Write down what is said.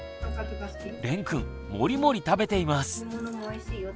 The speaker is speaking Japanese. れんくんモリモリ食べています。